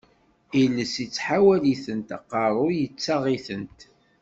Iles ittḥawal-itent, aqeṛṛu ittaɣ-itent.